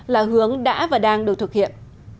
là hướng đã và đang được thực hiện